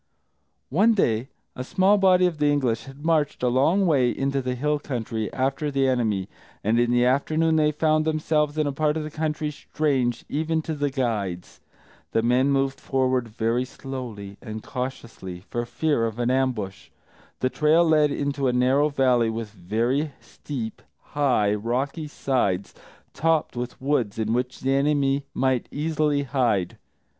One day, a small body of the English had marched a long way into the hill country, after the enemy, and in the afternoon they found themselves in a part of the country strange even to the guides. The men moved forward very slowly and cautiously, for fear of an ambush. The trail led into a narrow valley with very steep, high, rocky sides, topped with woods in which the enemy might easily hide.